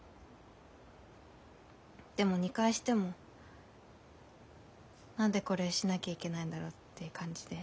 でも２回しても「何でこれしなきゃいけないんだろう」って感じで。